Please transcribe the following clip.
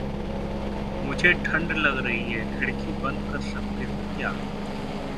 मुझे ठंड लग रही है। खिड़की बंद कर सकते हो क्या?